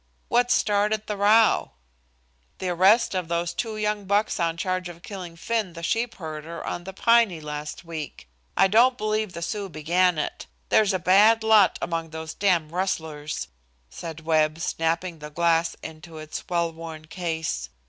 What started the row?" "The arrest of those two young bucks on charge of killing Finn, the sheep herder, on the Piney last week. I don't believe the Sioux began it. There's a bad lot among those damned rustlers," said Webb, snapping the glass into its well worn case.